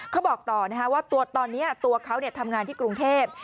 เขาบอกต่อว่าตอนนี้ตัวเขาทำงานที่กรุงเทพ